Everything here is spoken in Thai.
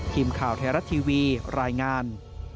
ครีมข่าวแทรรัตทีวีรายงาน